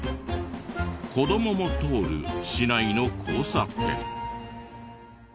子どもも通る市内の交差点。